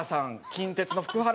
近鉄の福原さん